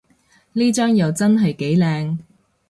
呢張又真係幾靚